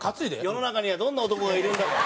世の中にはどんな男がいるんだろう。